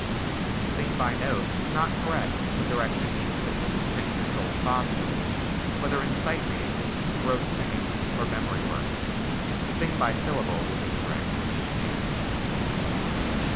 "Sing by note" is not correct if the direction means simply to sing the sol fa syllables, whether in sight reading, rote singing, or memory work. "Sing by syllable" would be correct in each case.